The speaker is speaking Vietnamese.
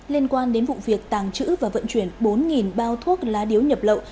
liên quan đến vụ việc tàng trữ và vận chuyển bốn bao thuốc lá điếu nhập lậu